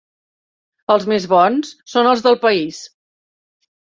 Els més bons són els del país.